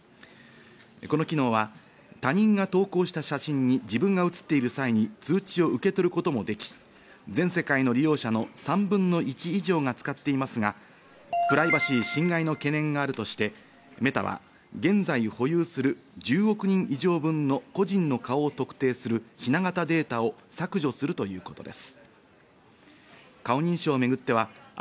この機能は他人が投稿した写真に自分が写っている際に通知を受け取ることもでき、全世界の利用者の３分の１以上が使っていますが、プライバシー侵害の懸念があるとしてＭｅｔａは現在保有する１０億人以上分の個人の顔を特定するひな型データを削除するということです。